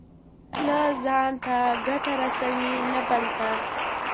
نه ځان ته ګټه رسوي، نه بل ته.